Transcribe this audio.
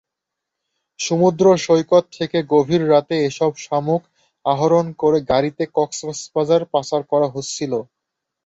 সমুদ্রসৈকত থেকে গভীর রাতে এসব শামুক আহরণ করে গাড়িতে কক্সবাজার পাচার করা হচ্ছিল।